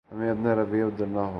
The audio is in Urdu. ہمیں اپنا رویہ بدلنا ہوگا